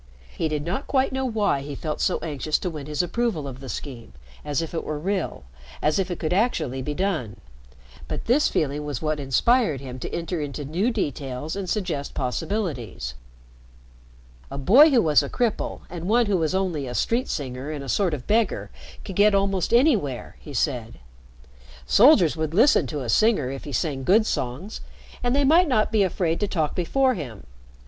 He did not quite know why he felt so anxious to win his approval of the scheme as if it were real as if it could actually be done. But this feeling was what inspired him to enter into new details and suggest possibilities. "A boy who was a cripple and one who was only a street singer and a sort of beggar could get almost anywhere," he said. "Soldiers would listen to a singer if he sang good songs and they might not be afraid to talk before him.